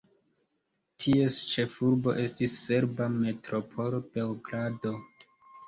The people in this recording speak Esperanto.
Ties ĉefurbo estis serba metropolo Beogrado.